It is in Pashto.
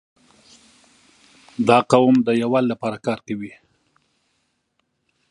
• دا قوم د یووالي لپاره کار کوي.